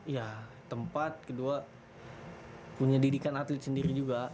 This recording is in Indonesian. iya tempat kedua punya didikan atlet sendiri juga